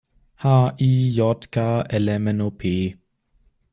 H-I-J-K-L-M-N-O-P!